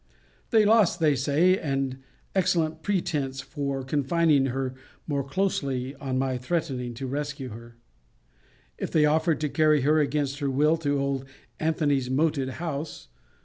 37, 38. They lost, they say, and excellent pretence for confining her more closely on my threatening to rescue her, if they offered to carry her against her will to old Antony's moated house.